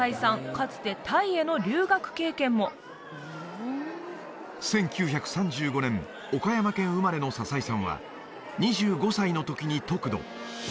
かつてタイへの留学経験も１９３５年岡山県生まれの佐々井さんは２５歳の時に得度